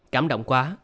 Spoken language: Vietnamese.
cảm động quá